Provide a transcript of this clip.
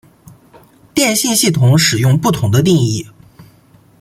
电信系统对使用不同的定义。